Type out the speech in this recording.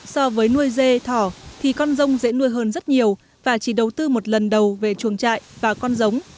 so với nuôi dê thỏ thì con rông dễ nuôi hơn rất nhiều và chỉ đầu tư một lần đầu về chuồng trại và con giống